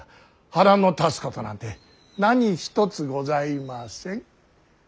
腹の立つことなんて何一つございません。